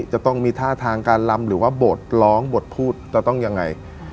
จะต้องมีท่าทางการลำหรือว่าบทร้องบทพูดจะต้องยังไง